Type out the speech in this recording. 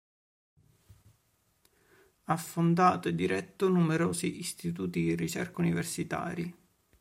Ha fondato e diretto numerosi istituti di ricerca universitari.